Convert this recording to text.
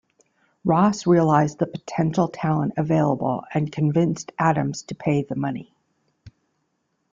Ross realized the potential talent available and convinced Adams to pay the money.